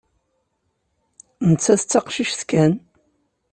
Nettat d taqcict kan.